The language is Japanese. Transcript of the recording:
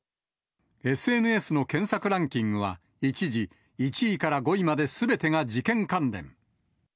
ＳＮＳの検索ランキングは一時、１位から５位まですべてが事件関連。